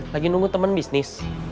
lagi nunggu temen bisnis